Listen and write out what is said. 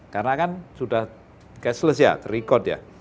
karena kan sudah cashless ya terikot ya